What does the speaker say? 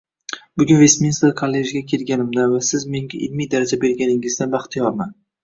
Bugun Vestminster kollejiga kelganimdan va siz menga ilmiy daraja berganingizdan baxtiyorman